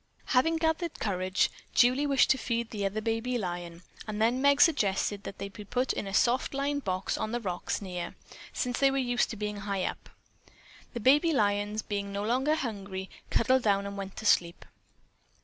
Having gathered courage, Julie wished to feed the other baby lion and then Meg suggested that they be put in a soft lined box on the rocks near, since they were used to being high up. The baby lions, being no longer hungry, cuddled down and went to sleep.